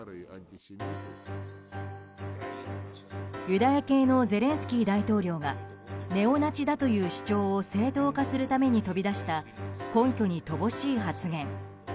ユダヤ系のゼレンスキー大統領がネオナチだという主張を正当化するために飛び出した根拠に乏しい発言。